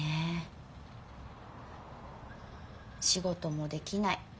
仕事もできない。